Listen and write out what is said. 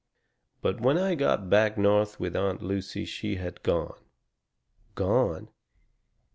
But when I got back North with Aunt Lucy she had gone." "Gone?"